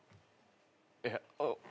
えっ。